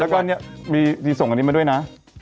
แล้วก็ส่งอันนี้มาด้วยนะ